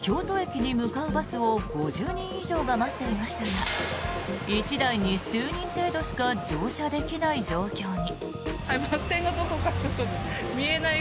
清水寺近くのバス停では京都駅に向かうバスを５０人以上が待っていましたが１台に数人程度しか乗車できない状況に。